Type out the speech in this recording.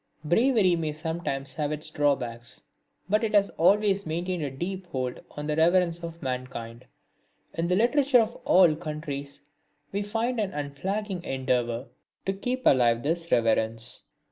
Bravery may sometimes have its drawbacks; but it has always maintained a deep hold on the reverence of mankind. In the literature of all countries we find an unflagging endeavour to keep alive this reverence.